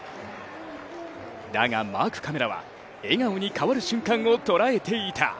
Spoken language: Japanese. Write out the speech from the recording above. だがマークカメラは笑顔に変わる瞬間を捉えていた。